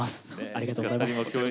ありがとうございます。